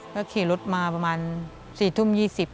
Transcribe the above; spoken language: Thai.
ก็ขี่รถมาประมาณ๔ทุ่ม๒๐